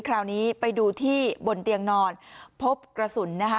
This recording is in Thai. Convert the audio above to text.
คราวนี้ไปดูที่บนเตียงนอนพบกระสุนนะคะ